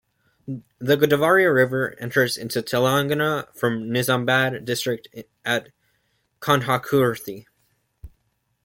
The Godavari River enters into Telangana from Nizamabad district at Kandhakurthi.